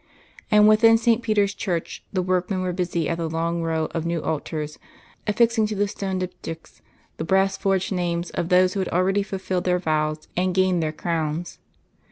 And within St. Peter's Church the workmen were busy at the long rows of new altars, affixing to the stone diptychs the brass forged names of those who had already fulfilled their vows and gained their crowns.